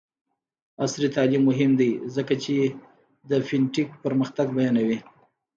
عصري تعلیم مهم دی ځکه چې د فین ټیک پرمختګ بیانوي.